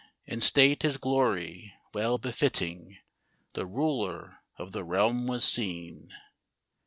In state his glory well befitting, The ruler of the realm was seen.